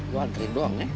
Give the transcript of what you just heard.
gue nganterin doang ya